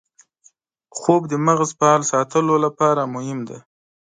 خوب د مغز فعال ساتلو لپاره مهم دی